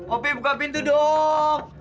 opi buka pintu dong